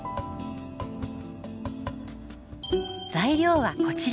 材料はこちら。